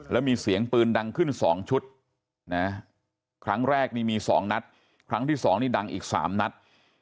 แล้วมีเสียงปืนดังขึ้น๒ชุดนะครั้งแรกนี่มี๒นัดครั้งที่๒นี่ดังอีก๓นัด